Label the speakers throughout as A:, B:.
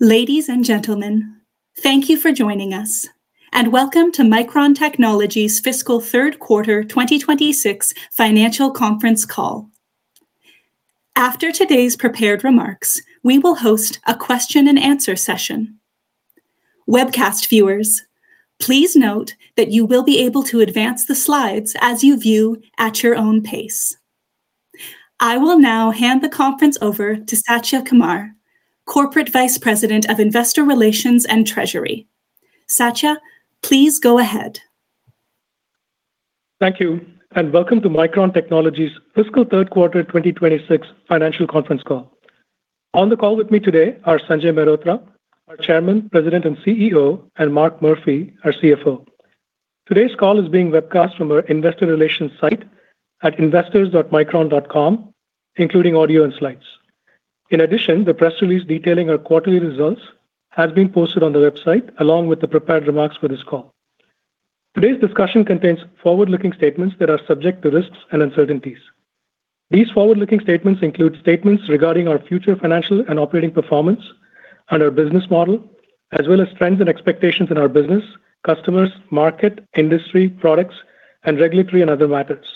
A: Ladies and gentlemen, thank you for joining us and welcome to Micron Technology's fiscal third quarter 2026 financial conference call. After today's prepared remarks, we will host a question-and-answer session. Webcast viewers, please note that you will be able to advance the slides as you view at your own pace. I will now hand the conference over to Satya Kumar, Corporate Vice President of Investor Relations and Treasury. Satya, please go ahead.
B: Thank you. Welcome to Micron Technology's fiscal third quarter 2026 financial conference call. On the call with me today are Sanjay Mehrotra, our Chairman, President, and CEO, and Mark Murphy, our CFO. Today's call is being webcast from our investor relations site at investors.micron.com, including audio and slides. In addition, the press release detailing our quarterly results has been posted on the website, along with the prepared remarks for this call. Today's discussion contains forward-looking statements that are subject to risks and uncertainties. These forward-looking statements include statements regarding our future financial and operating performance and our business model, as well as trends and expectations in our business, customers, market, industry, products, and regulatory and other matters.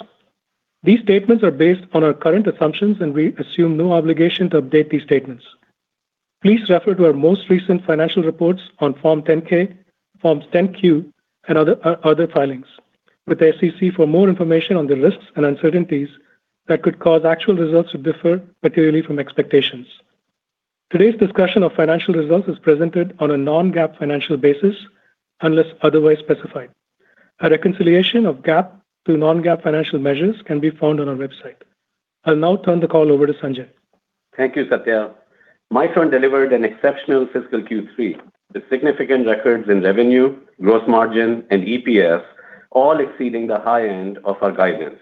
B: These statements are based on our current assumptions, and we assume no obligation to update these statements. Please refer to our most recent financial reports on Form 10-K, Forms 10-Q, and other filings with the SEC for more information on the risks and uncertainties that could cause actual results to differ materially from expectations. Today's discussion of financial results is presented on a non-GAAP financial basis unless otherwise specified. A reconciliation of GAAP to non-GAAP financial measures can be found on our website. I'll now turn the call over to Sanjay.
C: Thank you, Satya. Micron delivered an exceptional fiscal Q3, with significant records in revenue, gross margin and EPS, all exceeding the high end of our guidance.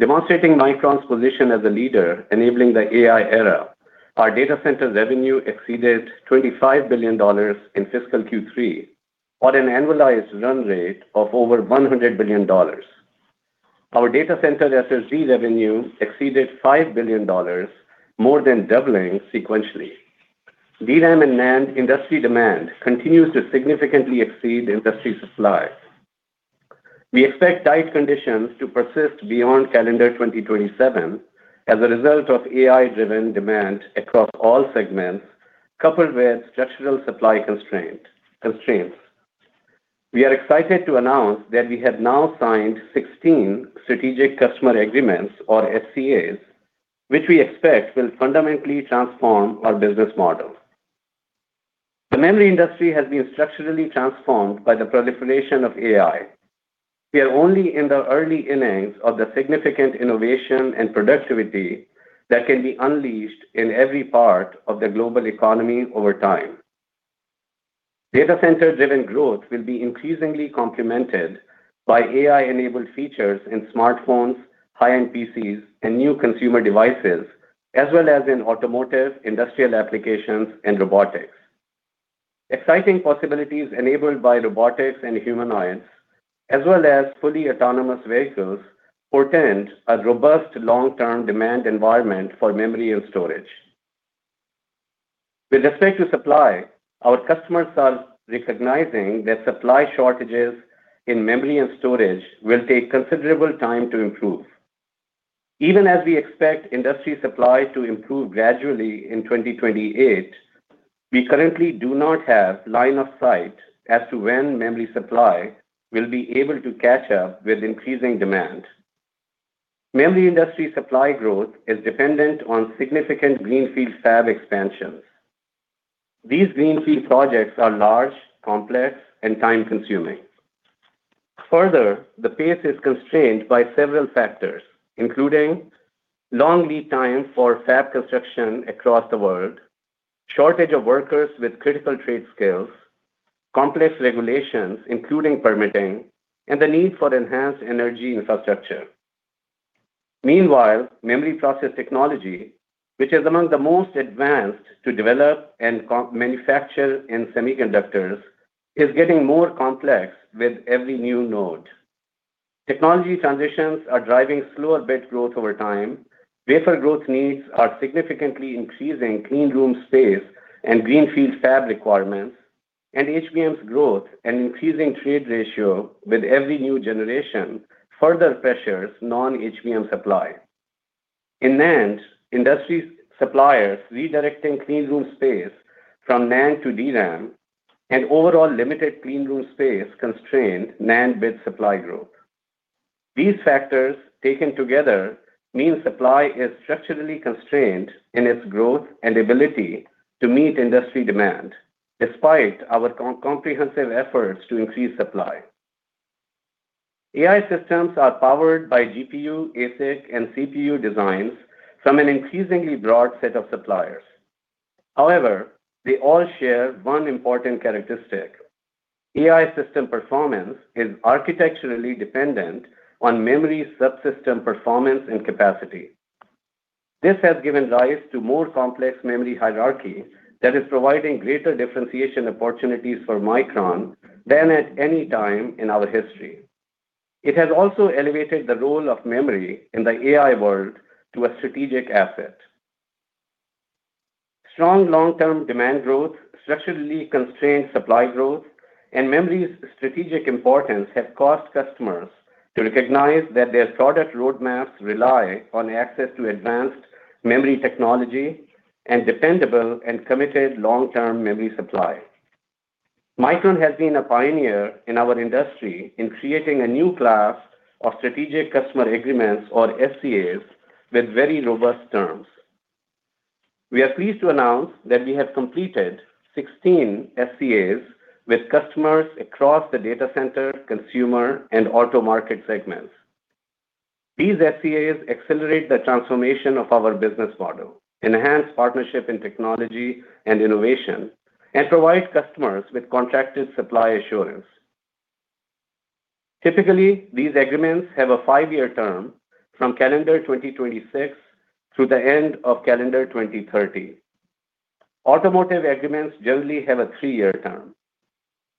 C: Demonstrating Micron's position as a leader enabling the AI era, our data center revenue exceeded $25 billion in fiscal Q3 on an annualized run rate of over $100 billion. Our data center SSD revenue exceeded $5 billion, more than doubling sequentially. DRAM and NAND industry demand continues to significantly exceed industry supply. We expect tight conditions to persist beyond calendar 2027 as a result of AI-driven demand across all segments, coupled with structural supply constraints. We are excited to announce that we have now signed 16 Strategic Customer Agreements, or SCAs, which we expect will fundamentally transform our business model. The memory industry has been structurally transformed by the proliferation of AI. We are only in the early innings of the significant innovation and productivity that can be unleashed in every part of the global economy over time. Data center-driven growth will be increasingly complemented by AI-enabled features in smartphones, high-end PCs, and new consumer devices, as well as in automotive, industrial applications, and robotics. Exciting possibilities enabled by robotics and humanoids, as well as fully autonomous vehicles, portend a robust long-term demand environment for memory and storage. With respect to supply, our customers are recognizing that supply shortages in memory and storage will take considerable time to improve. Even as we expect industry supply to improve gradually in 2028, we currently do not have line of sight as to when memory supply will be able to catch up with increasing demand. Memory industry supply growth is dependent on significant greenfield fab expansions. These greenfield projects are large, complex, and time-consuming. The pace is constrained by several factors, including long lead times for fab construction across the world, shortage of workers with critical trade skills, complex regulations, including permitting, and the need for enhanced energy infrastructure. Meanwhile, memory process technology, which is among the most advanced to develop and manufacture in semiconductors, is getting more complex with every new node. Technology transitions are driving slower bit growth over time. Wafer growth needs are significantly increasing clean room space and greenfield fab requirements. HBM's growth and increasing trade ratio with every new generation further pressures non-HBM supply. In NAND, industry suppliers redirecting clean room space from NAND to DRAM and overall limited clean room space constrained NAND bit supply growth. These factors, taken together, mean supply is structurally constrained in its growth and ability to meet industry demand, despite our comprehensive efforts to increase supply. AI systems are powered by GPU, ASIC, and CPU designs from an increasingly broad set of suppliers. However, they all share one important characteristic. AI system performance is architecturally dependent on memory subsystem performance and capacity. This has given rise to more complex memory hierarchy that is providing greater differentiation opportunities for Micron than at any time in our history. It has also elevated the role of memory in the AI world to a strategic asset. Strong long-term demand growth, structurally constrained supply growth, and memory's strategic importance have caused customers to recognize that their product roadmaps rely on access to advanced memory technology and dependable and committed long-term memory supply. Micron has been a pioneer in our industry in creating a new class of Strategic Customer Agreements or SCAs with very robust terms. We are pleased to announce that we have completed 16 SCAs with customers across the data center, consumer, and auto market segments. These SCAs accelerate the transformation of our business model, enhance partnership in technology and innovation, and provide customers with contracted supply assurance. Typically, these agreements have a five-year term from calendar 2026 through the end of calendar 2030. Automotive agreements generally have a three-year term.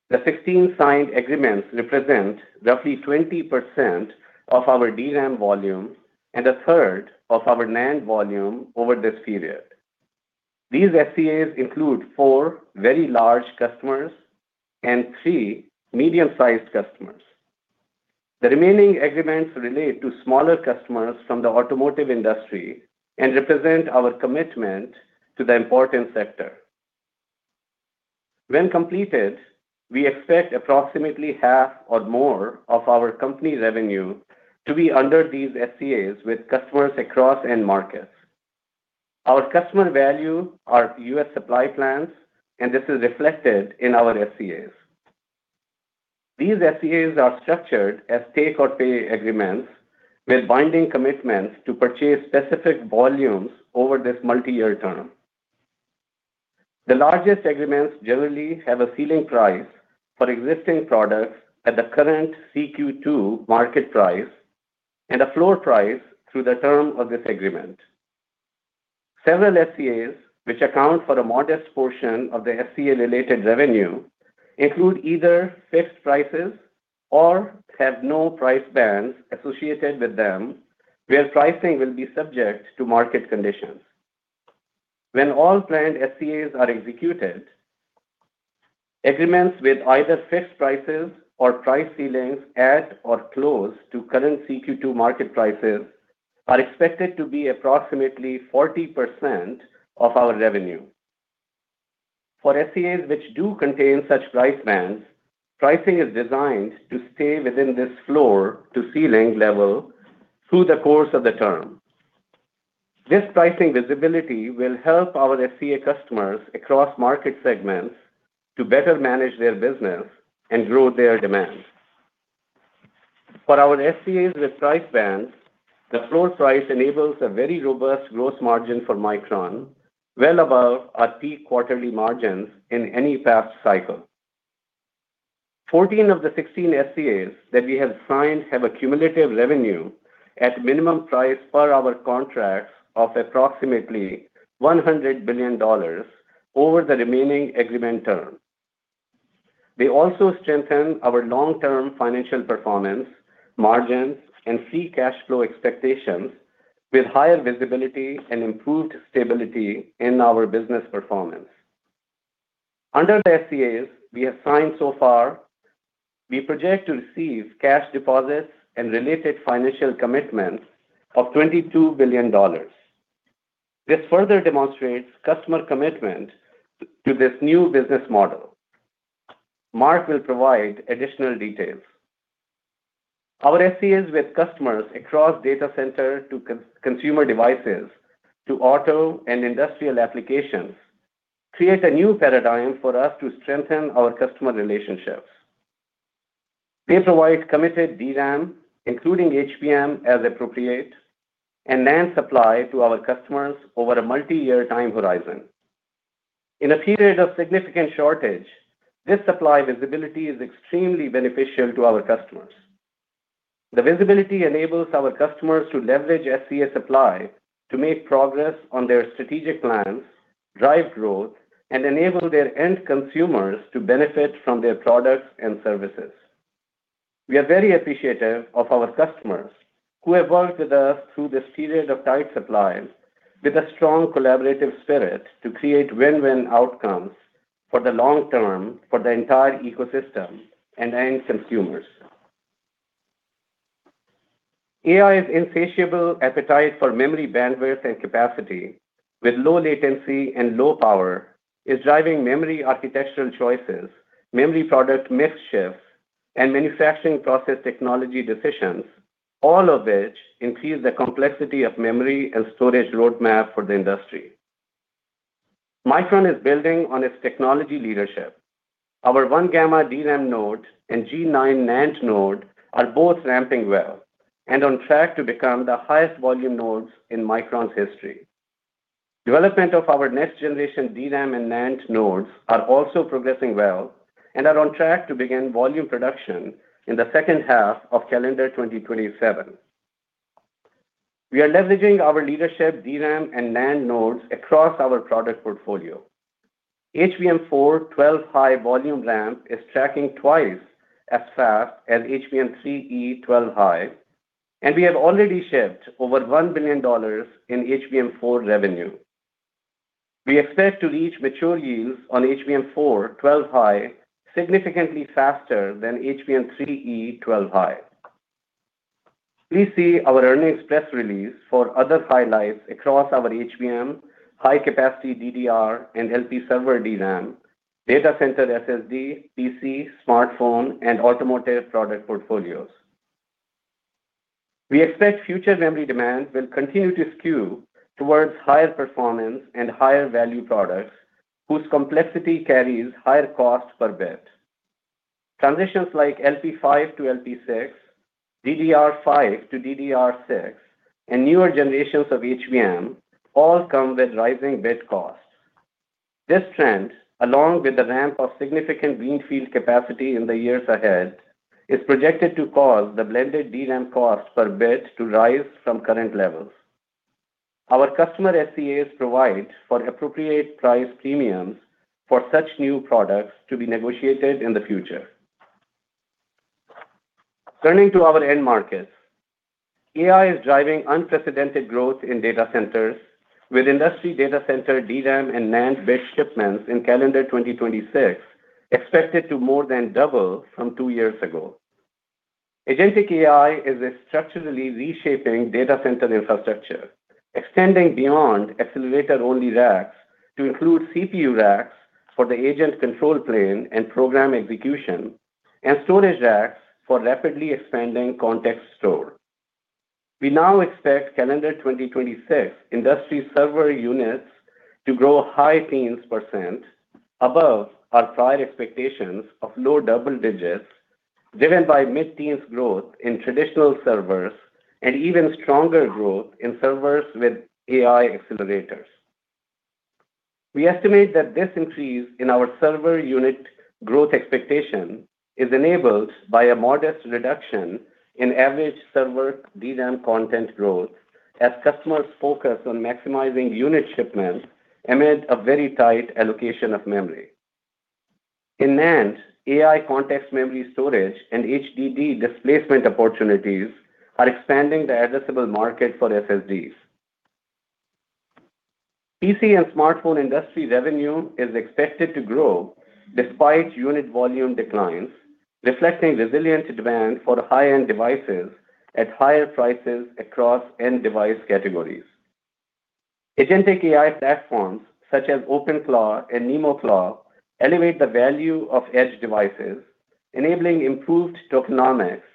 C: The 16 signed agreements represent roughly 20% of our DRAM volume and a third of our NAND volume over this period. These SCAs include four very large customers and three medium-sized customers. The remaining agreements relate to smaller customers from the automotive industry and represent our commitment to the important sector. When completed, we expect approximately half or more of our company revenue to be under these SCAs with customers across end markets. Our customer value, our U.S. supply plans, this is reflected in our SCAs. These SCAs are structured as take or pay agreements with binding commitments to purchase specific volumes over this multi-year term. The largest agreements generally have a ceiling price for existing products at the current CQ2 market price and a floor price through the term of this agreement. Several SCAs, which account for a modest portion of the SCA related revenue, include either fixed prices or have no price bands associated with them, where pricing will be subject to market conditions. When all planned SCAs are executed, agreements with either fixed prices or price ceilings at or close to current CQ2 market prices are expected to be approximately 40% of our revenue. For SCAs which do contain such price bands, pricing is designed to stay within this floor to ceiling level through the course of the term. This pricing visibility will help our SCA customers across market segments to better manage their business and grow their demand. For our SCAs with price bands, the floor price enables a very robust gross margin for Micron, well above our peak quarterly margins in any past cycle. 14 of the 16 SCAs that we have signed have a cumulative revenue at minimum price per hour contracts of approximately $100 billion over the remaining agreement term. They also strengthen our long-term financial performance, margins, and free cash flow expectations with higher visibility and improved stability in our business performance. Under the SCAs we have signed so far, we project to receive cash deposits and related financial commitments of $22 billion. This further demonstrates customer commitment to this new business model. Mark will provide additional details. Our SCAs with customers across data center to consumer devices to auto and industrial applications create a new paradigm for us to strengthen our customer relationships. These provide committed DRAM, including HBM as appropriate, and NAND supply to our customers over a multi-year time horizon. In a period of significant shortage, this supply visibility is extremely beneficial to our customers. The visibility enables our customers to leverage SCA supply to make progress on their strategic plans, drive growth, and enable their end consumers to benefit from their products and services. We are very appreciative of our customers who have worked with us through this period of tight supply with a strong collaborative spirit to create win-win outcomes for the long term for the entire ecosystem and end consumers. AI's insatiable appetite for memory bandwidth and capacity with low latency and low power is driving memory architectural choices, memory product mix shifts, and manufacturing process technology decisions, all of which increase the complexity of memory and storage roadmap for the industry. Micron is building on its technology leadership. Our 1-gamma DRAM node and G9 NAND node are both ramping well and on track to become the highest volume nodes in Micron's history. Development of our next generation DRAM and NAND nodes are also progressing well and are on track to begin volume production in the second half of calendar 2027. We are leveraging our leadership DRAM and NAND nodes across our product portfolio. HBM4 12-High volume ramp is tracking twice as fast as HBM3E 12-High, we have already shipped over $1 billion in HBM4 revenue. We expect to reach mature yields on HBM4 12-High significantly faster than HBM3E 12-High. Please see our earnings press release for other highlights across our HBM, high capacity DDR, and LP server DRAM, data center SSD, PC, smartphone, and automotive product portfolios. We expect future memory demand will continue to skew towards higher performance and higher value products, whose complexity carries higher cost per bit. Transitions like LP5 to LP6, DDR5 to DDR6, and newer generations of HBM all come with rising bit costs. This trend, along with the ramp of significant greenfield capacity in the years ahead, is projected to cause the blended DRAM cost per bit to rise from current levels. Our customer SCAs provide for appropriate price premiums for such new products to be negotiated in the future. Turning to our end markets, AI is driving unprecedented growth in data centers with industry data center DRAM and NAND bit shipments in calendar 2026 expected to more than double from two years ago. Agentic AI is structurally reshaping data center infrastructure, extending beyond accelerator-only racks to include CPU racks for the agent control plane and program execution, and storage racks for rapidly expanding context store. We now expect calendar 2026 industry server units to grow high teens percent above our prior expectations of low double digits, driven by mid-teens growth in traditional servers and even stronger growth in servers with AI accelerators. We estimate that this increase in our server unit growth expectation is enabled by a modest reduction in average server DRAM content growth as customers focus on maximizing unit shipments amid a very tight allocation of memory. In NAND, AI context memory storage and HDD displacement opportunities are expanding the addressable market for SSDs. PC and smartphone industry revenue is expected to grow despite unit volume declines, reflecting resilient demand for high-end devices at higher prices across end device categories. Agentic AI platforms such as OpenClaw and NemoClaw elevate the value of edge devices, enabling improved tokenomics,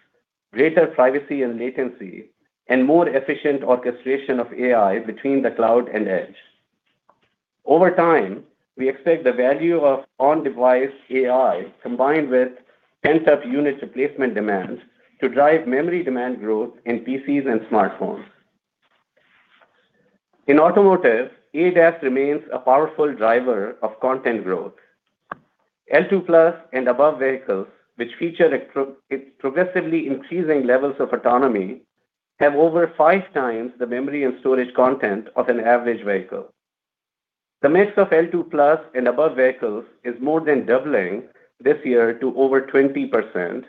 C: greater privacy and latency, and more efficient orchestration of AI between the cloud and edge. Over time, we expect the value of on-device AI, combined with pent-up unit replacement demands, to drive memory demand growth in PCs and smartphones. In automotive, ADAS remains a powerful driver of content growth. L2+ and above vehicles, which feature progressively increasing levels of autonomy, have over five times the memory and storage content of an average vehicle. The mix of L2+ and above vehicles is more than doubling this year to over 20%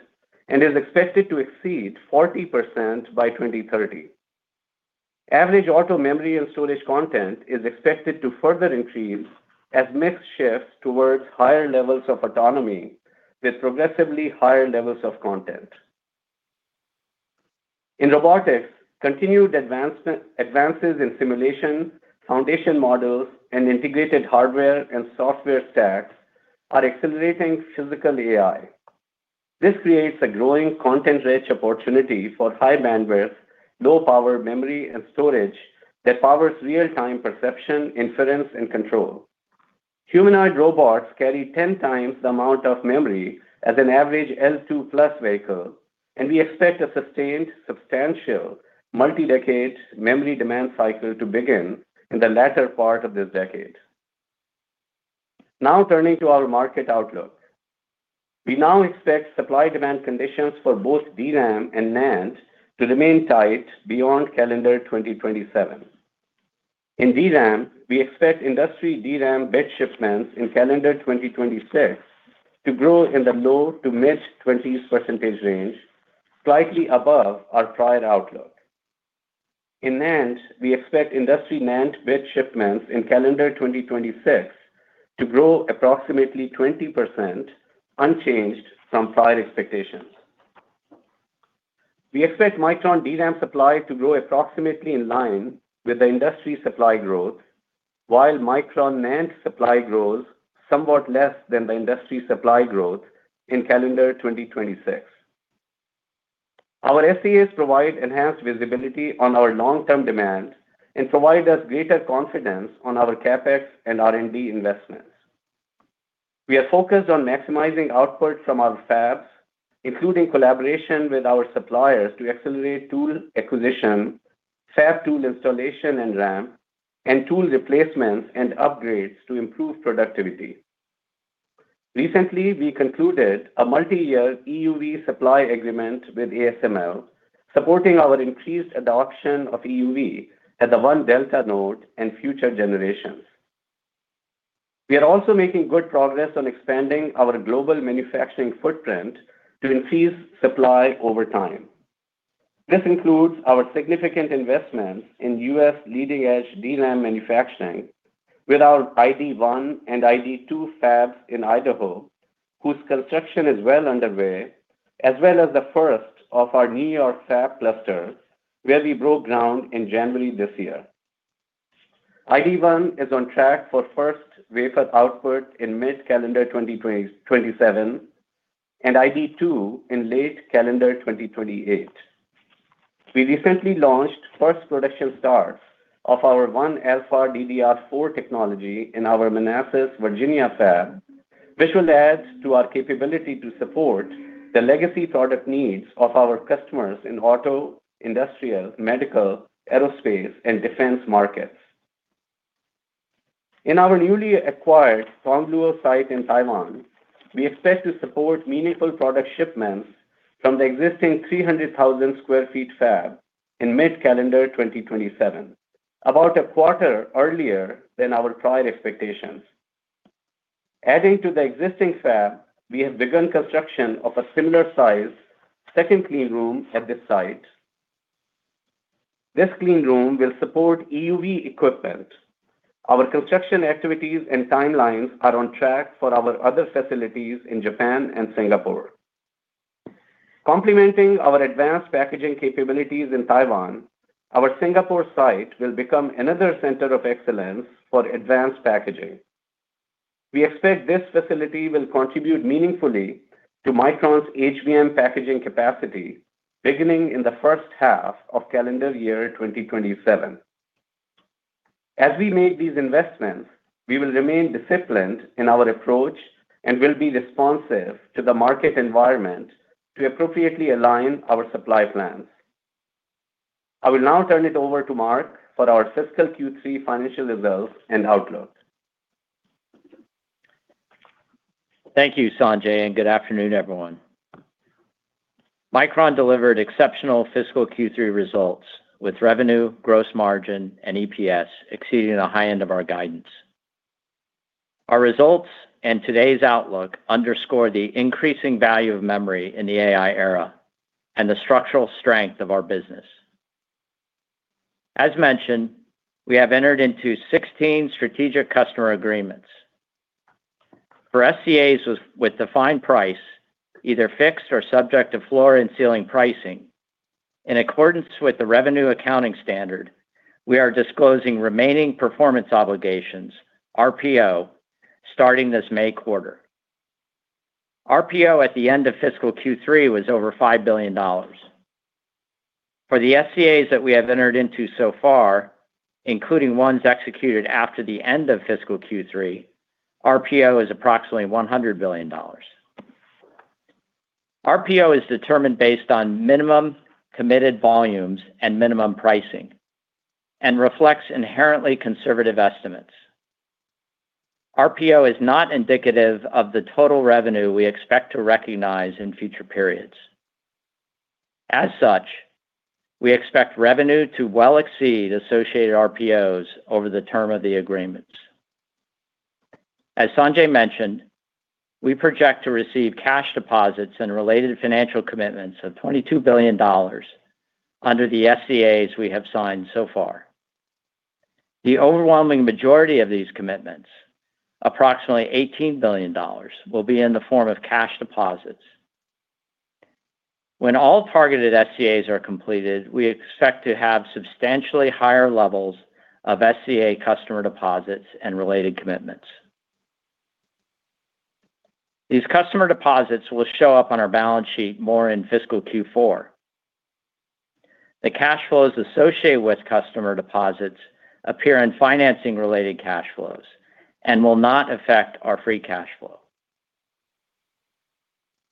C: and is expected to exceed 40% by 2030. Average auto memory and storage content is expected to further increase as mix shifts towards higher levels of autonomy with progressively higher levels of content. In robotics, continued advances in simulation, foundation models, and integrated hardware and software stacks are accelerating physical AI. This creates a growing content-rich opportunity for high bandwidth, low power memory and storage that powers real-time perception, inference, and control. Humanoid robots carry 10 times the amount of memory as an average L2+ vehicle, and we expect a sustained, substantial, multi-decade memory demand cycle to begin in the latter part of this decade. Turning to our market outlook. We now expect supply-demand conditions for both DRAM and NAND to remain tight beyond calendar 2027. In DRAM, we expect industry DRAM bit shipments in calendar 2026 to grow in the low to mid-20s%, slightly above our prior outlook. In NAND, we expect industry NAND bit shipments in calendar 2026 to grow approximately 20%, unchanged from prior expectations. We expect Micron DRAM supply to grow approximately in line with the industry supply growth, while Micron NAND supply grows somewhat less than the industry supply growth in calendar 2026. Our SCAs provide enhanced visibility on our long-term demand and provide us greater confidence on our CapEx and R&D investments. We are focused on maximizing output from our fabs, including collaboration with our suppliers to accelerate tool acquisition, fab tool installation and ramp, and tool replacements and upgrades to improve productivity. Recently, we concluded a multi-year EUV supply agreement with ASML, supporting our increased adoption of EUV at the 1-delta node and future generations. We are also making good progress on expanding our global manufacturing footprint to increase supply over time. This includes our significant investments in U.S. leading-edge DRAM manufacturing with our ID.1 and ID.2 fabs in Idaho, whose construction is well underway, as well as the first of our New York fab clusters, where we broke ground in January this year. ID.1 is on track for first wafer output in mid-calendar 2027, and ID.2 in late calendar 2028. We recently launched first production start of our 1-alpha DDR4 technology in our Manassas, Virginia fab, which will add to our capability to support the legacy product needs of our customers in auto, industrial, medical, aerospace, and defense markets. In our newly acquired Hsinchu site in Taiwan, we expect to support meaningful product shipments from the existing 300,000 sq ft fab in mid-calendar 2027, about a quarter earlier than our prior expectations. Adding to the existing fab, we have begun construction of a similar size second clean room at this site. This clean room will support EUV equipment. Our construction activities and timelines are on track for our other facilities in Japan and Singapore. Complementing our advanced packaging capabilities in Taiwan, our Singapore site will become another center of excellence for advanced packaging. We expect this facility will contribute meaningfully to Micron's HBM packaging capacity, beginning in the first half of calendar year 2027. As we make these investments, we will remain disciplined in our approach and will be responsive to the market environment to appropriately align our supply plans. I will now turn it over to Mark for our fiscal Q3 financial results and outlook.
D: Thank you, Sanjay. Good afternoon, everyone. Micron delivered exceptional fiscal Q3 results, with revenue, gross margin, and EPS exceeding the high end of our guidance. Our results and today's outlook underscore the increasing value of memory in the AI era and the structural strength of our business. As mentioned, we have entered into 16 Strategic Customer Agreements. For SCAs with defined price, either fixed or subject to floor and ceiling pricing, in accordance with the ASC 606, we are disclosing remaining performance obligations, RPO, starting this May quarter. RPO at the end of fiscal Q3 was over $5 billion. For the SCAs that we have entered into so far, including ones executed after the end of fiscal Q3, RPO is approximately $100 billion. RPO is determined based on minimum committed volumes and minimum pricing and reflects inherently conservative estimates. RPO is not indicative of the total revenue we expect to recognize in future periods. As such, we expect revenue to well exceed associated RPOs over the term of the agreements. As Sanjay mentioned, we project to receive cash deposits and related financial commitments of $22 billion under the SCAs we have signed so far. The overwhelming majority of these commitments, approximately $18 billion, will be in the form of cash deposits. When all targeted SCAs are completed, we expect to have substantially higher levels of SCA customer deposits and related commitments. These customer deposits will show up on our balance sheet more in fiscal Q4. The cash flows associated with customer deposits appear in financing-related cash flows and will not affect our free cash flow.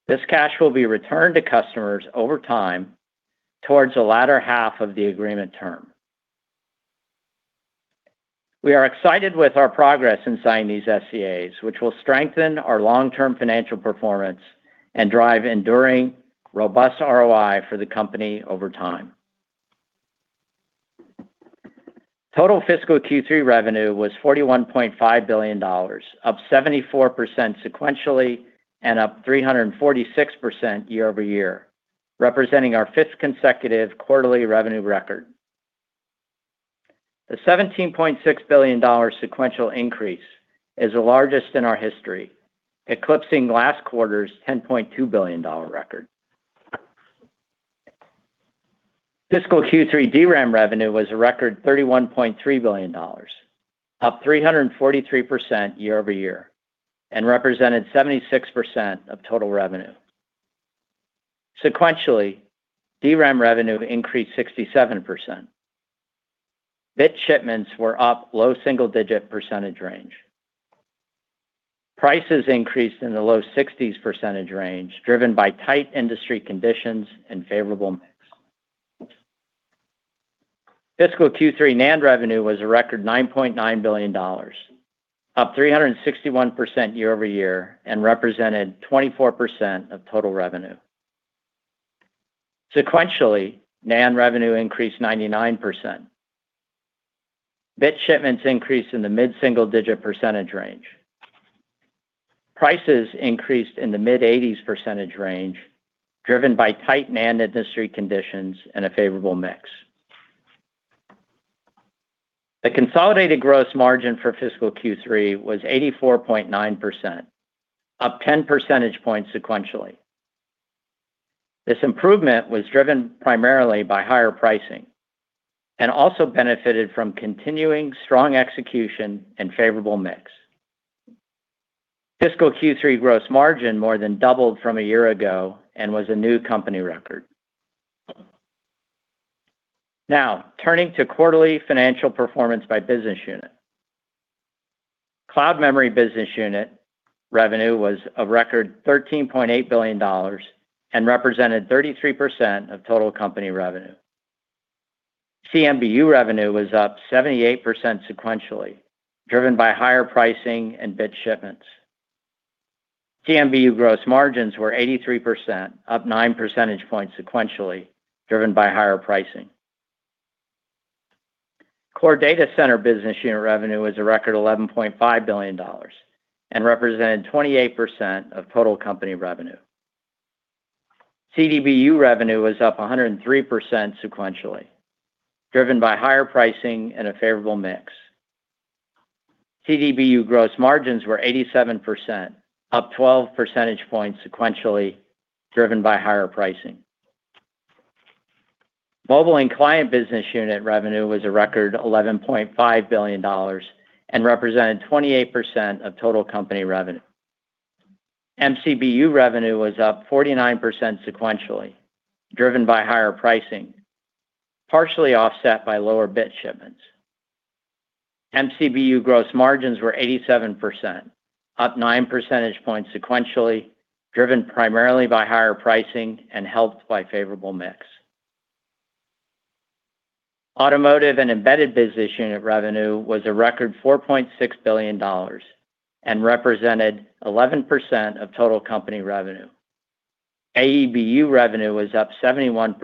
D: This cash will be returned to customers over time towards the latter half of the agreement term. We are excited with our progress in signing these SCAs, which will strengthen our long-term financial performance and drive enduring, robust ROI for the company over time. Total fiscal Q3 revenue was $41.5 billion, up 74% sequentially and up 346% year-over-year, representing our fifth consecutive quarterly revenue record. The $17.6 billion sequential increase is the largest in our history, eclipsing last quarter's $10.2 billion record. Fiscal Q3 DRAM revenue was a record $31.3 billion, up 343% year-over-year, and represented 76% of total revenue. Sequentially, DRAM revenue increased 67%. Bit shipments were up low single-digit percentage range. Prices increased in the low 60s percentage range, driven by tight industry conditions and favorable. Fiscal Q3 NAND revenue was a record $9.9 billion, up 361% year-over-year, and represented 24% of total revenue. Sequentially, NAND revenue increased 99%. Bit shipments increased in the mid-single digit percentage range. Prices increased in the mid-80s percentage range, driven by tight NAND industry conditions and a favorable mix. The consolidated gross margin for fiscal Q3 was 84.9%, up 10 percentage points sequentially. This improvement was driven primarily by higher pricing and also benefited from continuing strong execution and favorable mix. Fiscal Q3 gross margin more than doubled from a year ago and was a new company record. Now, turning to quarterly financial performance by business unit. Cloud Memory Business Unit revenue was a record $13.8 billion and represented 33% of total company revenue. CMBU revenue was up 78% sequentially, driven by higher pricing and bit shipments. CMBU gross margins were 83%, up nine percentage points sequentially, driven by higher pricing. Core Data Center Business Unit revenue was a record $11.5 billion and represented 28% of total company revenue. CDBU revenue was up 103% sequentially, driven by higher pricing and a favorable mix. CDBU gross margins were 87%, up 12 percentage points sequentially, driven by higher pricing. Mobile and Client Business Unit revenue was a record $11.5 billion and represented 28% of total company revenue. MCBU revenue was up 49% sequentially, driven by higher pricing, partially offset by lower bit shipments. MCBU gross margins were 87%, up nine percentage points sequentially, driven primarily by higher pricing and helped by favorable mix. Automotive and Embedded Business Unit revenue was a record $4.6 billion and represented 11% of total company revenue. AEBU revenue was up 71%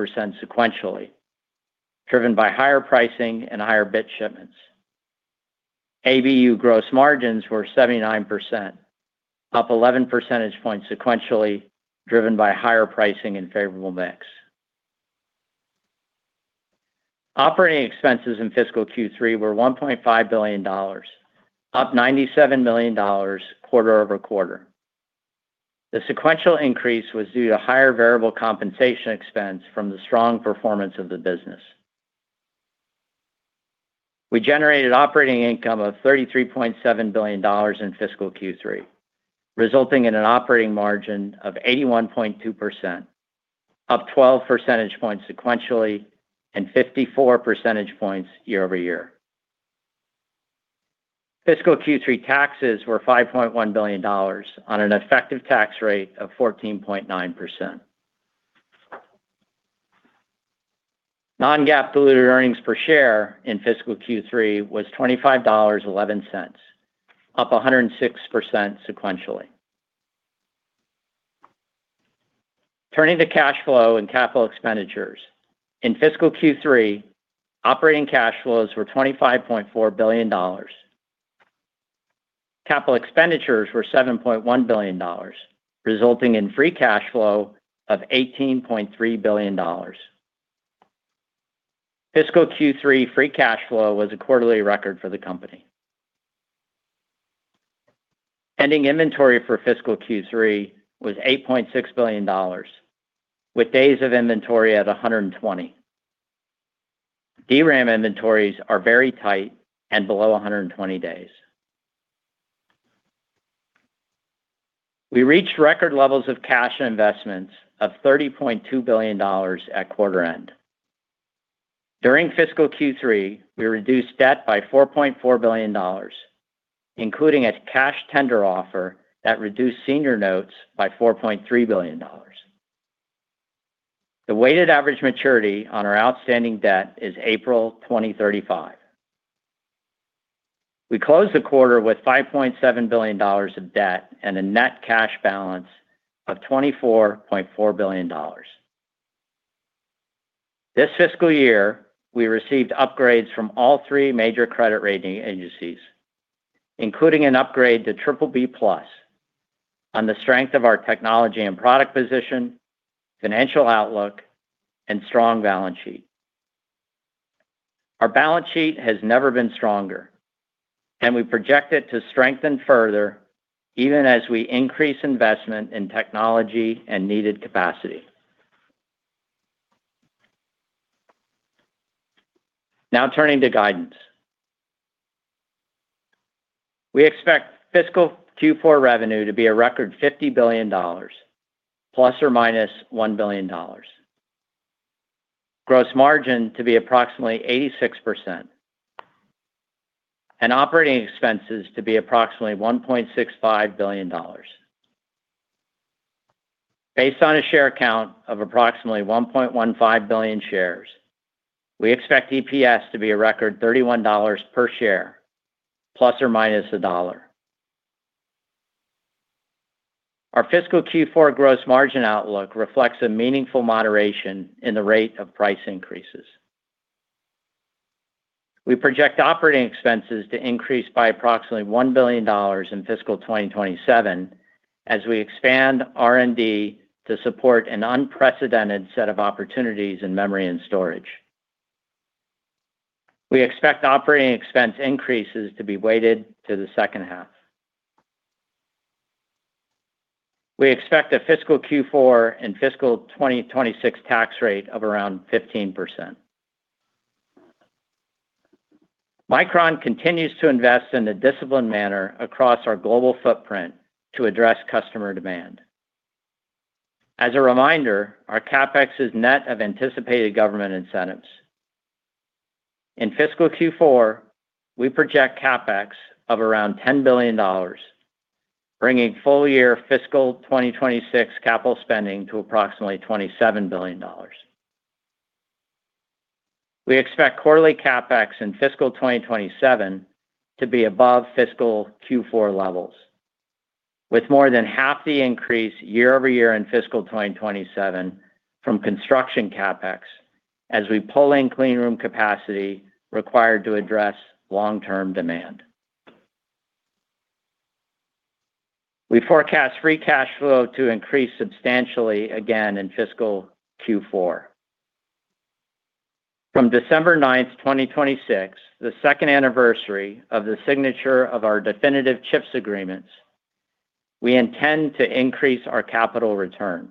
D: sequentially, driven by higher pricing and higher bit shipments. AEBU gross margins were 79%, up 11 percentage points sequentially, driven by higher pricing and favorable mix. Operating expenses in fiscal Q3 were $1.5 billion, up $97 million quarter-over-quarter. The sequential increase was due to higher variable compensation expense from the strong performance of the business. We generated operating income of $33.7 billion in fiscal Q3, resulting in an operating margin of 81.2%, up 12 percentage points sequentially and 54 percentage points year-over-year. Fiscal Q3 taxes were $5.1 billion on an effective tax rate of 14.9%. Non-GAAP diluted earnings per share in fiscal Q3 was $25.11, up 106% sequentially. Turning to cash flow and capital expenditures. In fiscal Q3, operating cash flows were $25.4 billion. Capital expenditures were $7.1 billion, resulting in free cash flow of $18.3 billion. Fiscal Q3 free cash flow was a quarterly record for the company. Ending inventory for fiscal Q3 was $8.6 billion, with days of inventory at 120. DRAM inventories are very tight and below 120 days. We reached record levels of cash investments of $30.2 billion at quarter end. During fiscal Q3, we reduced debt by $4.4 billion, including a cash tender offer that reduced senior notes by $4.3 billion. The weighted average maturity on our outstanding debt is April 2035. We closed the quarter with $5.7 billion of debt and a net cash balance of $24.4 billion. This fiscal year, we received upgrades from all three major credit rating agencies, including an upgrade to BBB+ on the strength of our technology and product position, financial outlook, and strong balance sheet. Our balance sheet has never been stronger, and we project it to strengthen further even as we increase investment in technology and needed capacity. Now turning to guidance. We expect fiscal Q4 revenue to be a record $50 billion, ±$1 billion, gross margin to be approximately 86%, and operating expenses to be approximately $1.65 billion. Based on a share count of approximately 1.15 billion shares, we expect EPS to be a record $31 per share, ±$1. Our fiscal Q4 gross margin outlook reflects a meaningful moderation in the rate of price increases. We project operating expenses to increase by approximately $1 billion in fiscal 2027, as we expand R&D to support an unprecedented set of opportunities in memory and storage. We expect operating expense increases to be weighted to the second half. We expect a fiscal Q4 and fiscal 2026 tax rate of around 15%. Micron continues to invest in a disciplined manner across our global footprint to address customer demand. As a reminder, our CapEx is net of anticipated government incentives. In fiscal Q4, we project CapEx of around $10 billion, bringing full year fiscal 2026 capital spending to approximately $27 billion. We expect quarterly CapEx in fiscal 2027 to be above fiscal Q4 levels, with more than half the increase year-over-year in fiscal 2027 from construction CapEx, as we pull in clean room capacity required to address long-term demand. We forecast free cash flow to increase substantially again in fiscal Q4. From December 9, 2026, the second anniversary of the signature of our definitive CHIPS agreements, we intend to increase our capital return.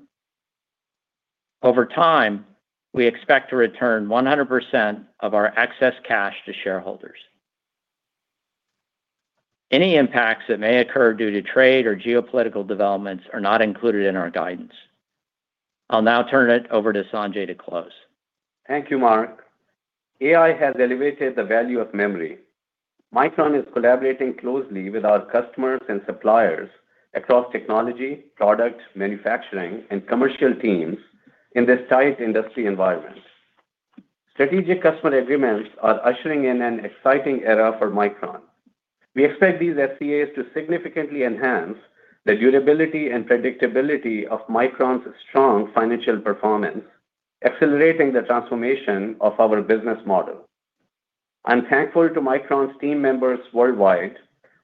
D: Over time, we expect to return 100% of our excess cash to shareholders. Any impacts that may occur due to trade or geopolitical developments are not included in our guidance. I'll now turn it over to Sanjay to close.
C: Thank you, Mark. AI has elevated the value of memory. Micron is collaborating closely with our customers and suppliers across technology, product, manufacturing, and commercial teams in this tight industry environment. Strategic customer agreements are ushering in an exciting era for Micron. We expect these SCAs to significantly enhance the durability and predictability of Micron's strong financial performance, accelerating the transformation of our business model. I am thankful to Micron's team members worldwide,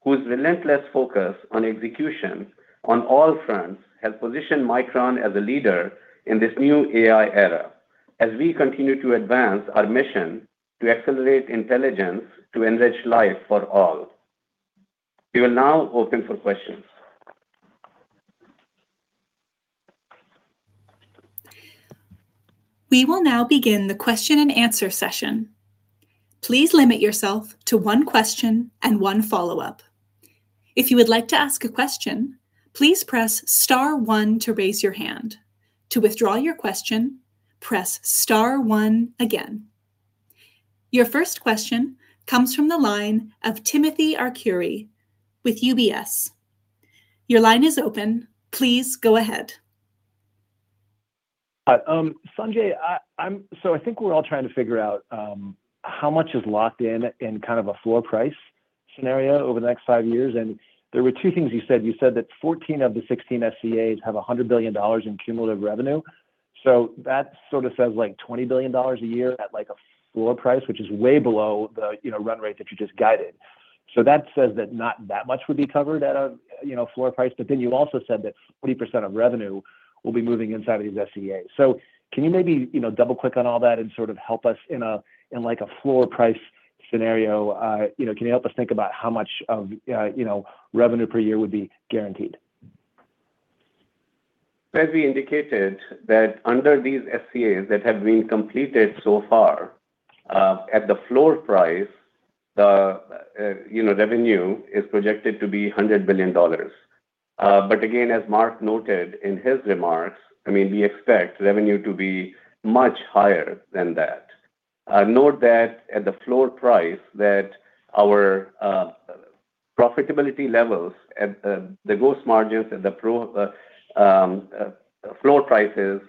C: whose relentless focus on execution on all fronts has positioned Micron as a leader in this new AI era, as we continue to advance our mission to accelerate intelligence to enrich life for all. We will now open for questions.
A: We will now begin the question and answer session. Please limit yourself to one question and one follow-up. If you would like to ask a question, please press star one to raise your hand. To withdraw your question, press star one again. Your first question comes from the line of Timothy Arcuri with UBS. Your line is open. Please go ahead.
E: Hi. Sanjay, I think we are all trying to figure out how much is locked in in kind of a floor price scenario over the next five years. There were two things you said. You said that 14 of the 16 SCAs have $100 billion in cumulative revenue. That sort of says like $20 billion a year at a floor price, which is way below the run rate that you just guided. That says that not that much would be covered at a floor price. You also said that 40% of revenue will be moving inside of these SCAs. Can you maybe double-click on all that and sort of help us in a floor price scenario? Can you help us think about how much of revenue per year would be guaranteed?
C: As we indicated that under these SCAs that have been completed so far, at the floor price, the revenue is projected to be $100 billion. Again, as Mark noted in his remarks, we expect revenue to be much higher than that. Note that at the floor price, that our profitability levels at the gross margins, at the floor prices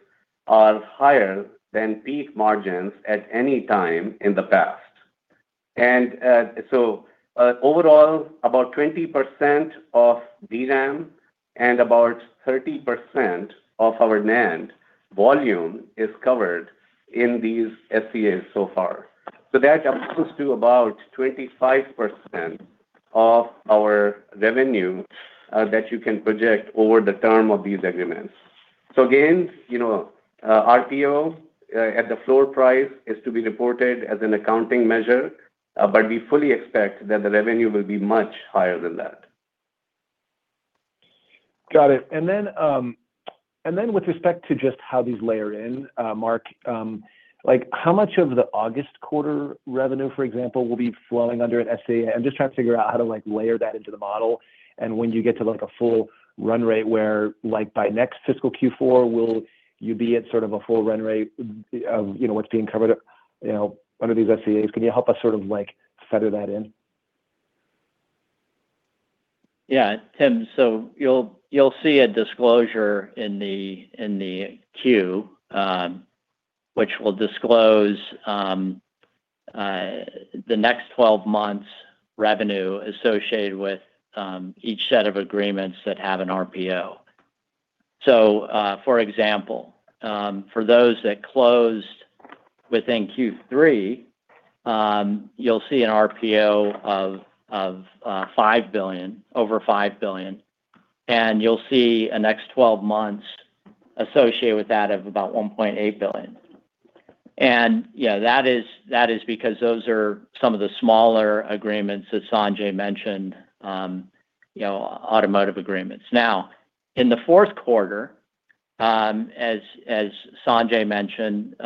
C: are higher than peak margins at any time in the past. Overall, about 20% of DRAM and about 30% of our NAND volume is covered in these SCAs so far. That comes close to about 25% of our revenue that you can project over the term of these agreements. Again, RPO at the floor price is to be reported as an accounting measure, but we fully expect that the revenue will be much higher than that.
E: Got it. With respect to just how these layer in, Mark, how much of the August quarter revenue, for example, will be flowing under an SCA? I'm just trying to figure out how to layer that into the model. When you get to a full run rate where by next fiscal Q4, will you be at sort of a full run rate of what's being covered under these SCAs? Can you help us sort of feather that in?
D: Yeah, Tim. You'll see a disclosure in the Q, which will disclose the next 12 months revenue associated with each set of agreements that have an RPO. For example, for those that closed within Q3, you'll see an RPO of over $5 billion, and you'll see a next 12 months associated with that of about $1.8 billion. That is because those are some of the smaller agreements that Sanjay mentioned, automotive agreements. In the fourth quarter, as Sanjay mentioned,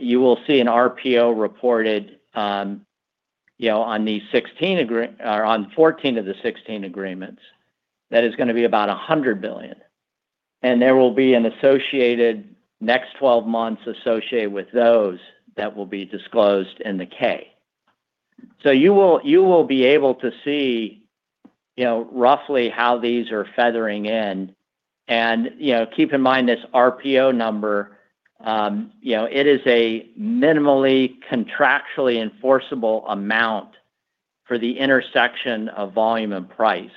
D: you will see an RPO reported on 14 of the 16 agreements. That is going to be about $100 billion. There will be an associated next 12 months associated with those that will be disclosed in the Form 10-K. You will be able to see roughly how these are feathering in. Keep in mind, this RPO number, it is a minimally contractually enforceable amount for the intersection of volume and price.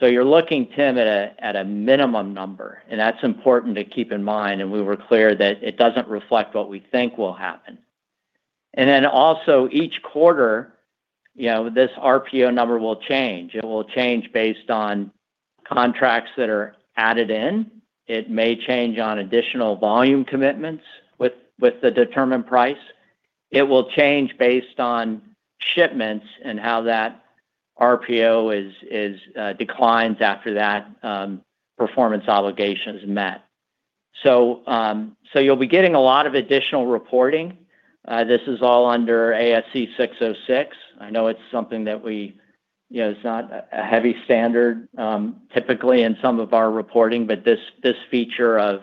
D: You're looking, Tim, at a minimum number. That's important to keep in mind. We were clear that it doesn't reflect what we think will happen. Also each quarter, this RPO number will change. It will change based on contracts that are added in. It may change on additional volume commitments with the determined price. It will change based on shipments and how that RPO declines after that performance obligation is met. You'll be getting a lot of additional reporting. This is all under ASC 606. I know it's not a heavy standard typically in some of our reporting, but this feature of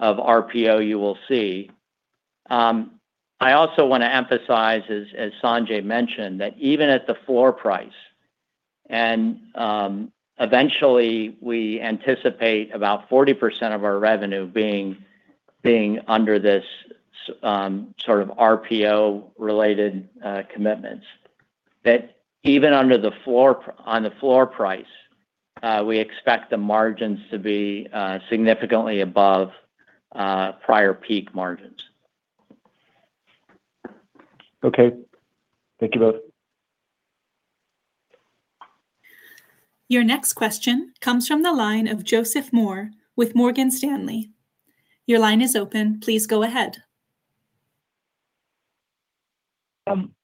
D: RPO, you will see. I also want to emphasize, as Sanjay mentioned, that even at the floor price, eventually we anticipate about 40% of our revenue being under this sort of RPO-related commitments. Even on the floor price, we expect the margins to be significantly above prior peak margins.
E: Okay. Thank you both.
A: Your next question comes from the line of Joseph Moore with Morgan Stanley. Your line is open. Please go ahead.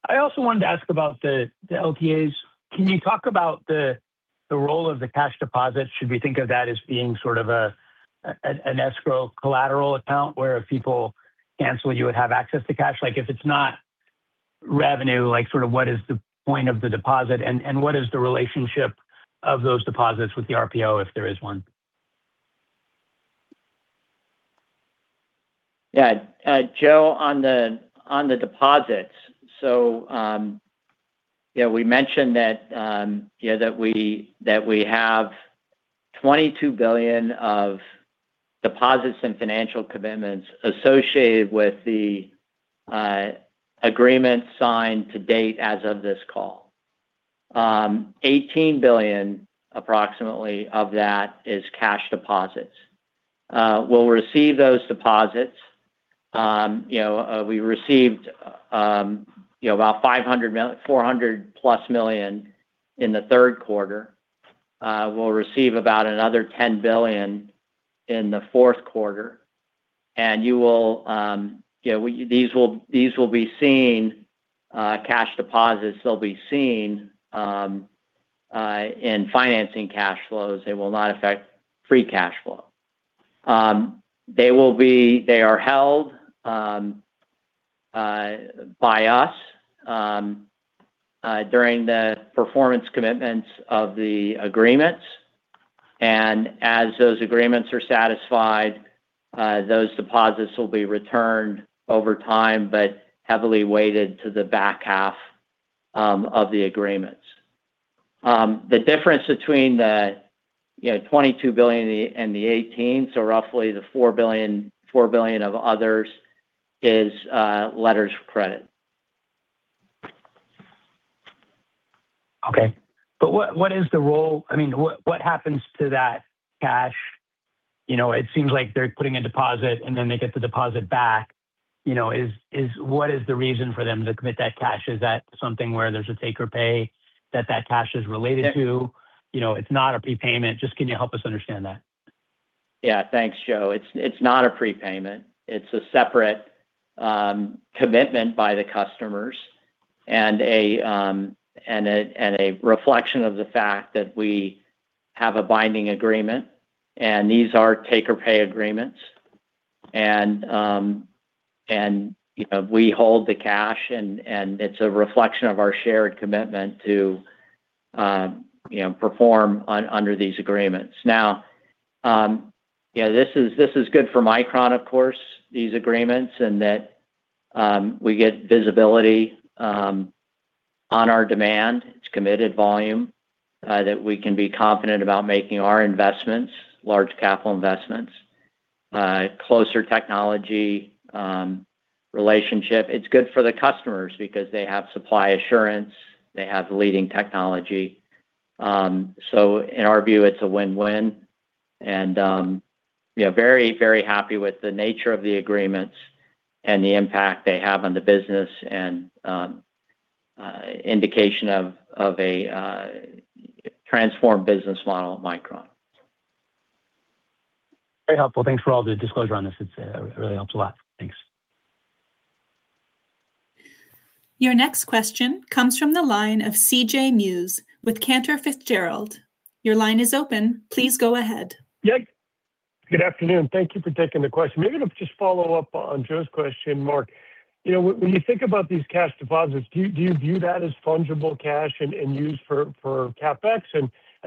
F: I also wanted to ask about the LTAs. Can you talk about the role of the cash deposit? Should we think of that as being sort of an escrow collateral account, where if people cancel, you would have access to cash? If it's not revenue, what is the point of the deposit, and what is the relationship of those deposits with the RPO, if there is one?
D: Yeah. Joe, on the deposits. We mentioned that we have $22 billion of deposits and financial commitments associated with the agreement signed to date as of this call. $18 billion, approximately, of that is cash deposits. We will receive those deposits. We received about $400+ million in the third quarter. We will receive about another $10 billion in the fourth quarter. These will be seen, cash deposits, they will be seen in financing cash flows. They will not affect free cash flow. They are held by us during the performance commitments of the agreements, and as those agreements are satisfied, those deposits will be returned over time, but heavily weighted to the back half of the agreements. The difference between the $22 billion and the $18 billion, so roughly the $4 billion of others, is letters of credit.
F: Okay. What is the role? What happens to that cash? It seems like they're putting a deposit, and then they get the deposit back. What is the reason for them to commit that cash? Is that something where there's a take or pay that cash is related to? It's not a prepayment. Can you help us understand that?
D: Yeah. Thanks, Joe. It's not a prepayment. It's a separate commitment by the customers and a reflection of the fact that we have a binding agreement, and these are take or pay agreements. We hold the cash, and it's a reflection of our shared commitment to perform under these agreements. This is good for Micron, of course, these agreements, in that We get visibility on our demand. It's committed volume that we can be confident about making our investments, large capital investments, closer technology relationship. It's good for the customers because they have supply assurance, they have leading technology. In our view, it's a win-win. We are very happy with the nature of the agreements and the impact they have on the business and indication of a transformed business model at Micron.
F: Very helpful. Thanks for all the disclosure on this. It really helps a lot. Thanks.
A: Your next question comes from the line of CJ Muse with Cantor Fitzgerald. Your line is open. Please go ahead.
G: Good afternoon. Thank you for taking the question. To just follow up on Joe's question, Mark, when you think about these cash deposits, do you view that as fungible cash and use for CapEx?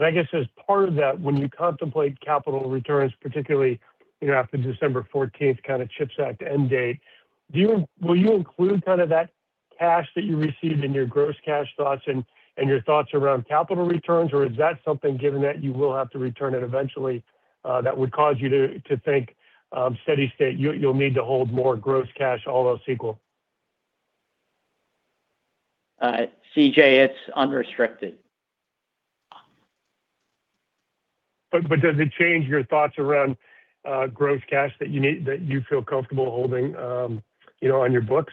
G: I guess as part of that, when you contemplate capital returns, particularly after December 14th, kind of CHIPS Act end date, will you include that cash that you received in your gross cash thoughts and your thoughts around capital returns? Is that something, given that you will have to return it eventually, that would cause you to think steady state, you'll need to hold more gross cash all else equal?
D: CJ, it's unrestricted.
G: Does it change your thoughts around gross cash that you feel comfortable holding on your books?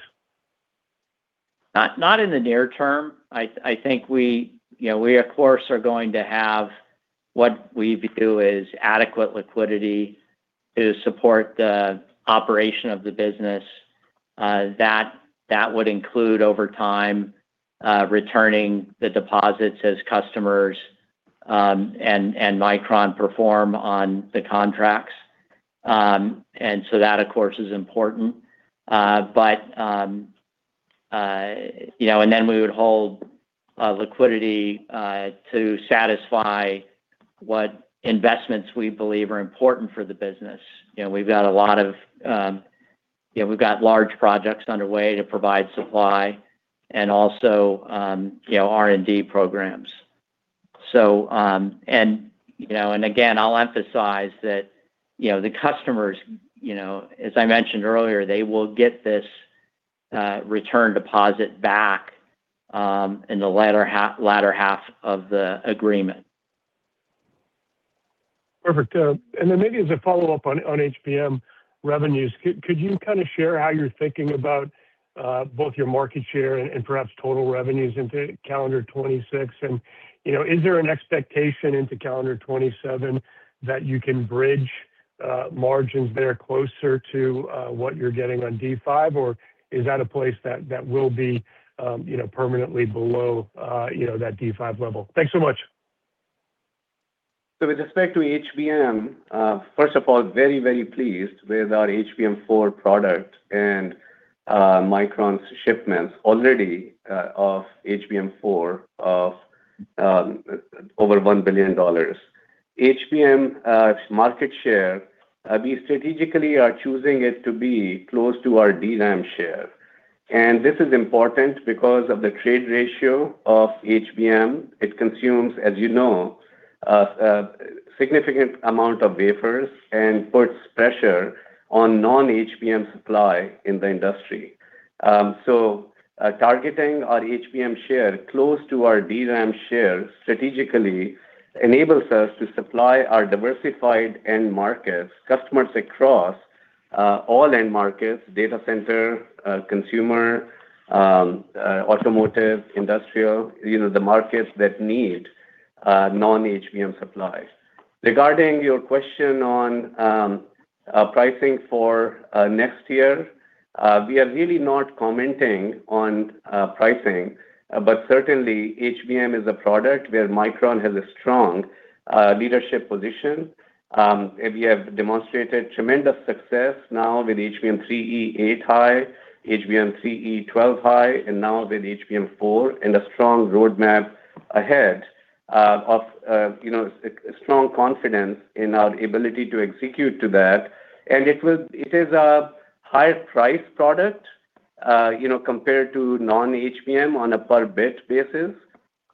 D: Not in the near term. I think we, of course, are going to have what we view as adequate liquidity to support the operation of the business. That would include, over time, returning the deposits as customers and Micron perform on the contracts. That, of course, is important. Then we would hold liquidity to satisfy what investments we believe are important for the business. We've got large projects underway to provide supply and also, R&D programs. Again, I'll emphasize that the customers, as I mentioned earlier, they will get this return deposit back in the latter half of the agreement.
G: Perfect. Maybe as a follow-up on HBM revenues, could you share how you're thinking about both your market share and perhaps total revenues into calendar 2026? Is there an expectation into calendar 2027 that you can bridge margins there closer to what you're getting on D5? Or is that a place that will be permanently below that D5 level? Thanks so much.
C: With respect to HBM, first of all, very pleased with our HBM4 product and Micron's shipments already of HBM4 of over $1 billion. HBM market share, we strategically are choosing it to be close to our DRAM share. This is important because of the trade ratio of HBM. It consumes, as you know, a significant amount of wafers and puts pressure on non-HBM supply in the industry. Targeting our HBM share close to our DRAM share strategically enables us to supply our diversified end markets, customers across all end markets, data center, consumer, automotive, industrial, the markets that need non-HBM supply. Regarding your question on pricing for next year, we are really not commenting on pricing. Certainly, HBM is a product where Micron has a strong leadership position. We have demonstrated tremendous success now with HBM3E 8-High, HBM3E 12-High, and now with HBM4 and a strong roadmap ahead of strong confidence in our ability to execute to that. It is a higher price product compared to non-HBM on a per bit basis,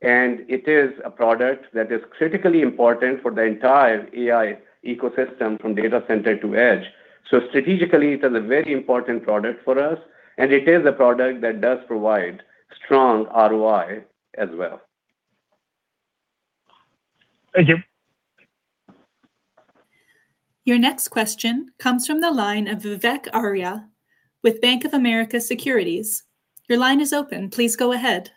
C: and it is a product that is critically important for the entire AI ecosystem from data center to edge. Strategically, it is a very important product for us, and it is a product that does provide strong ROI as well.
G: Thank you.
A: Your next question comes from the line of Vivek Arya with BofA Securities. Your line is open. Please go ahead.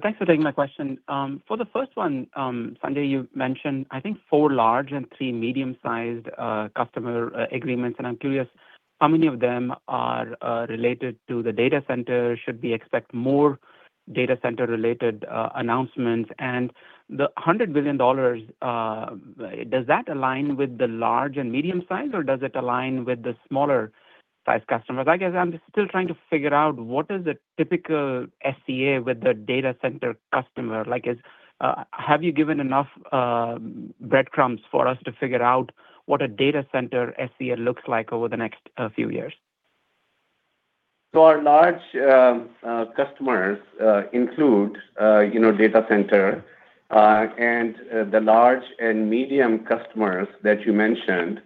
H: Thanks for taking my question. For the first one, Sanjay, you mentioned, I think, four large and three medium-sized customer agreements, I'm curious how many of them are related to the data center. Should we expect more data center related announcements? The $100 billion, does that align with the large and medium size, or does it align with the smaller size customers? I guess I'm just still trying to figure out what is a typical SCA with the data center customer like. Have you given enough breadcrumbs for us to figure out what a data center SCA looks like over the next few years?
C: Our large customers include data center and the large and medium customers that you mentioned,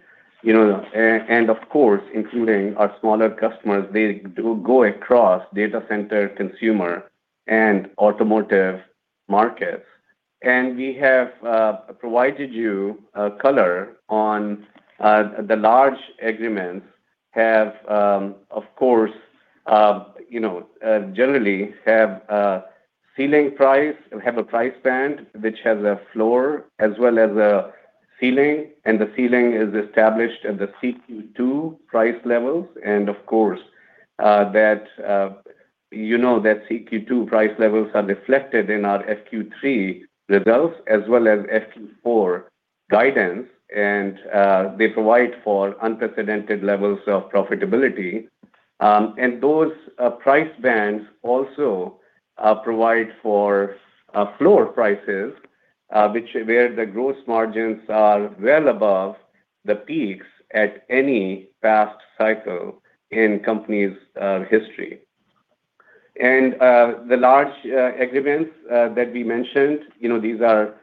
C: of course, including our smaller customers, they do go across data center, consumer, and automotive markets. We have provided you color on the large agreements have, of course, generally have a ceiling price and have a price band which has a floor as well as a ceiling, and the ceiling is established at the CQ2 price levels. Of course, you know that CQ2 price levels are reflected in our FQ3 results as well as FQ4 guidance, and they provide for unprecedented levels of profitability. Those price bands also provide for floor prices, where the gross margins are well above the peaks at any past cycle in company's history. The large agreements that we mentioned, these are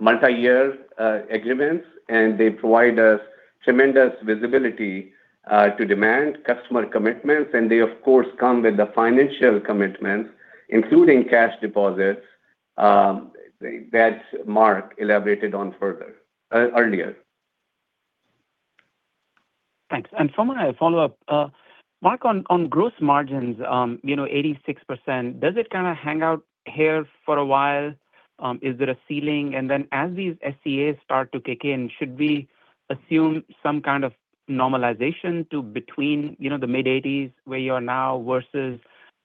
C: multi-year agreements, and they provide us tremendous visibility to demand customer commitments, and they, of course, come with the financial commitments, including cash deposits, that Mark elaborated on earlier.
H: Thanks. From there, a follow-up. Mark, on gross margins, 86%, does it hang out here for a while? Is there a ceiling? As these SCAs start to kick in, should we assume some kind of normalization to between the mid-80s, where you are now, versus,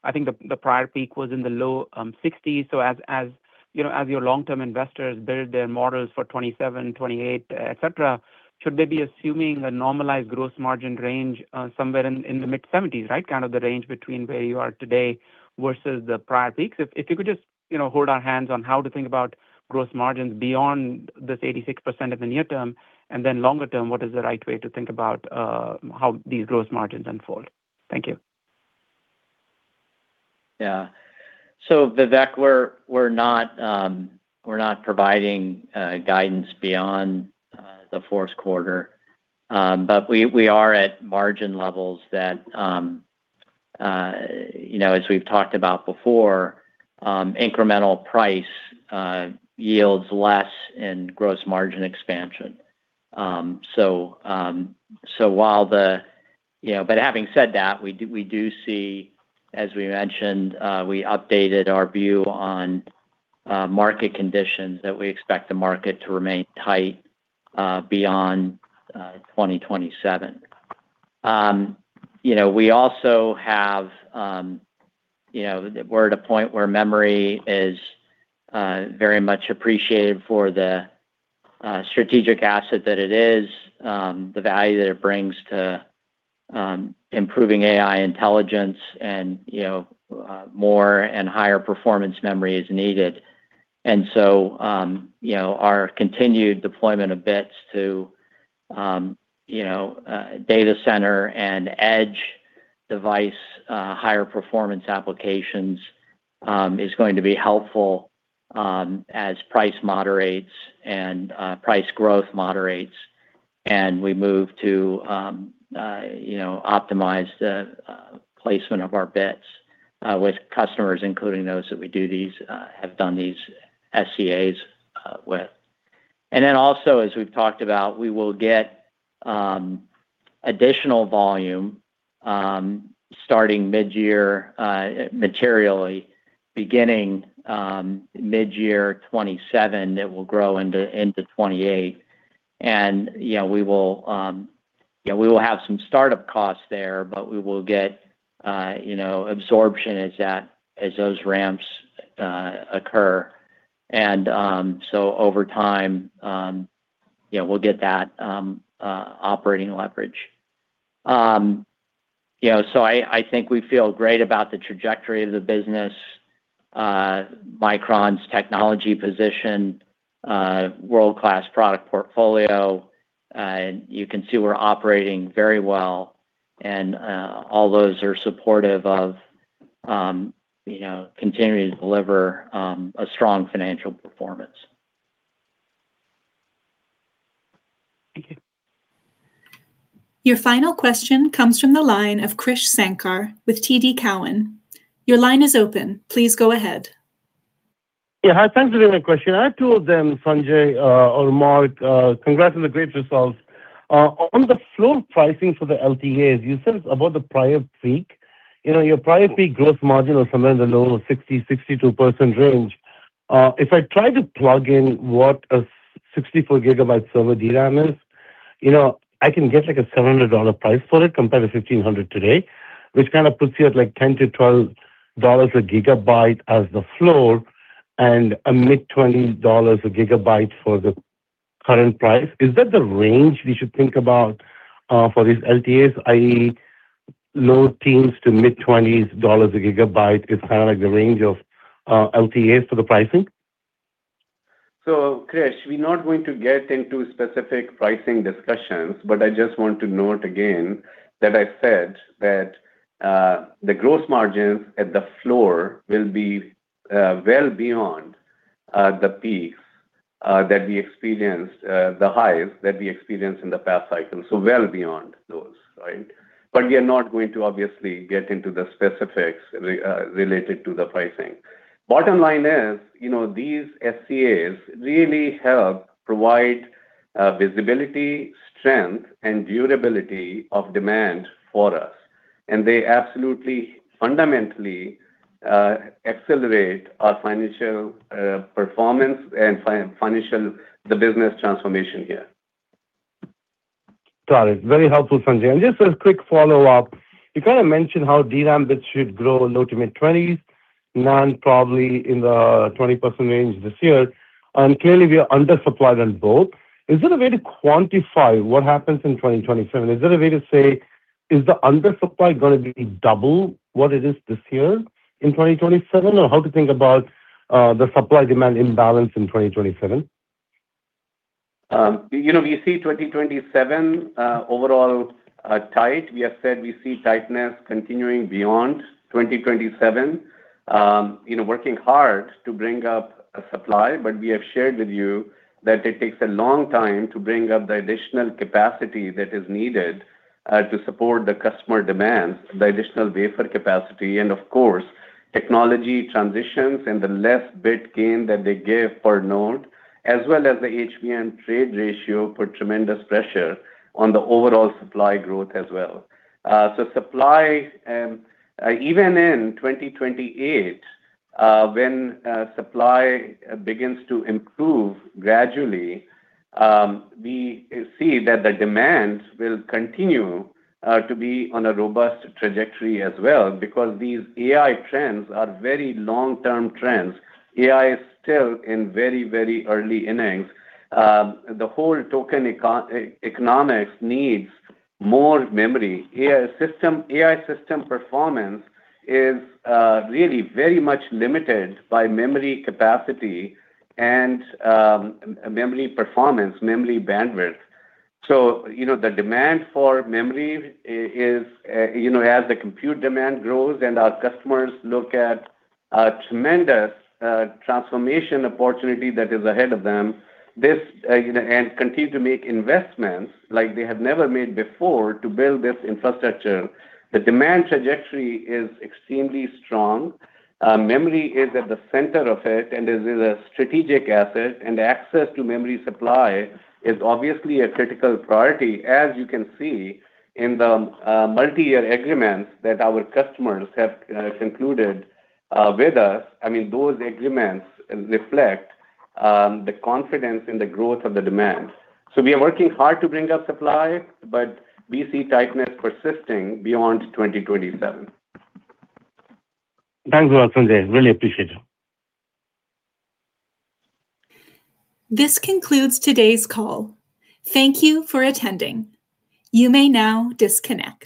H: I think the prior peak was in the low 60s. As your long-term investors build their models for 2027, 2028, et cetera, should they be assuming a normalized gross margin range somewhere in the mid-70s, right? The range between where you are today versus the prior peaks. If you could just hold our hands on how to think about gross margins beyond this 86% in the near term, then longer term, what is the right way to think about how these gross margins unfold? Thank you.
D: Yeah. Vivek, we're not providing guidance beyond the fourth quarter. We are at margin levels that, as we've talked about before, incremental price yields less in gross margin expansion. Having said that, we do see, as we mentioned, we updated our view on market conditions that we expect the market to remain tight beyond 2027. We also are at a point where memory is very much appreciated for the strategic asset that it is, the value that it brings to improving AI intelligence and more and higher performance memory is needed. Our continued deployment of bits to data center and edge device, higher performance applications, is going to be helpful as price moderates and price growth moderates, and we move to optimize the placement of our bits with customers, including those that we have done these SCAs with. Also, as we've talked about, we will get additional volume starting mid-year, materially, beginning mid-year 2027, that will grow into 2028. We will have some startup costs there, but we will get absorption as those ramps occur. Over time, we'll get that operating leverage. I think we feel great about the trajectory of the business, Micron's technology position, world-class product portfolio. You can see we're operating very well and all those are supportive of continuing to deliver a strong financial performance.
H: Thank you.
A: Your final question comes from the line of Krish Sankar with TD Cowen. Your line is open. Please go ahead.
I: Yeah, hi. Thanks for taking my question. I have two of them, Sanjay or Mark. Congrats on the great results. On the floor pricing for the LTAs, you said about the prior peak. Your prior peak gross margin was somewhere in the low 60, 62% range. If I try to plug in what a 64 GB server DRAM is, I can get, like, a $700 price for it compared to $1,500 today, which kind of puts you at, like, $10-$12 a gigabyte as the floor and a mid-$20 a gigabyte for the current price. Is that the range we should think about for these LTAs, i.e., low teens to mid-$20 a gigabyte is the range of LTAs for the pricing?
C: Krish, we are not going to get into specific pricing discussions, but I just want to note again that I said that the gross margins at the floor will be well beyond the peak that we experienced, the highs that we experienced in the past cycle. Well beyond those. We are not going to obviously get into the specifics related to the pricing. Bottom line is, these SCAs really help provide visibility, strength, and durability of demand for us, and they absolutely, fundamentally, accelerate our financial performance and the business transformation here.
I: Got it. Very helpful, Sanjay. Just a quick follow-up. You mentioned how DRAM bits should grow low to mid-20s, NAND probably in the 20% range this year, clearly we are undersupplied on both. Is there a way to quantify what happens in 2027? Is there a way to say, is the undersupply going to be double what it is this year in 2027? Or how to think about the supply-demand imbalance in 2027?
C: We see 2027 overall tight. We have said we see tightness continuing beyond 2027. Working hard to bring up supply. We have shared with you that it takes a long time to bring up the additional capacity that is needed to support the customer demands, the additional wafer capacity, and of course, technology transitions and the less bit gain that they give per node, as well as the HBM trade ratio, put tremendous pressure on the overall supply growth as well. Supply, even in 2028, when supply begins to improve gradually, we see that the demands will continue to be on a robust trajectory as well, because these AI trends are very long-term trends. AI is still in very early innings. The whole token economics needs more memory. AI system performance is really very much limited by memory capacity and memory performance, memory bandwidth. The demand for memory is as the compute demand grows and our customers look at a tremendous transformation opportunity that is ahead of them and continue to make investments like they have never made before to build this infrastructure, the demand trajectory is extremely strong. Memory is at the center of it and is a strategic asset, and access to memory supply is obviously a critical priority, as you can see in the multi-year agreements that our customers have concluded with us. Those agreements reflect the confidence in the growth of the demand. We are working hard to bring up supply. We see tightness persisting beyond 2027.
I: Thanks a lot, Sanjay. Really appreciate it.
A: This concludes today's call. Thank you for attending. You may now disconnect